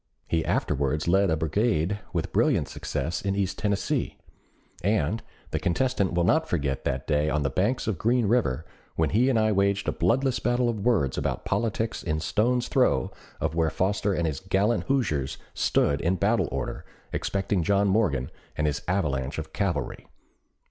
He afterwards led a brigade with brilliant success in East Tennessee. And the contestant will not forget that day on the banks of Green River, when he and I waged a bloodless battle of words about politics in stone's throw of where Foster and his gallant Hoosiers stood in battle order, expecting John Morgan and his avalanche of cavalry."